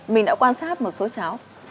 mình đã quan sát một số cháu